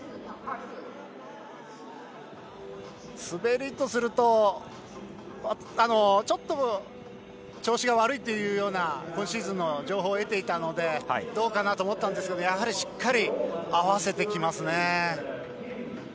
滑りとするとちょっと調子が悪いというような今シーズンの情報を得ていたのでどうかなと思ってたんですがやはりしっかり合わせてきますね。